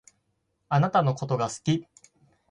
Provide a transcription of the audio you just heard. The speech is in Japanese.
あなたのことが好き